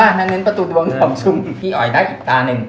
นั้นประตูดวงของซุมพี่ออยดัชอีกตานึง